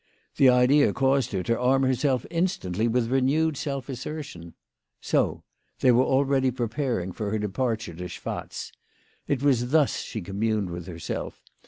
The idea caused her to arm herself instantly with renewed self assertion. So ; they were already preparing for her departure to Schwatz ! It was thus she communed with herself.